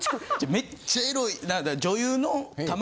めっちゃエロい。